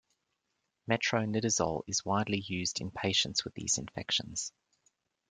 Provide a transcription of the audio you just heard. Metronidazole is widely used in patients with these infections.